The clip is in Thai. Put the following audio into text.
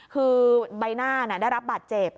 คือใบหน้าได้รับบาดเจ็บ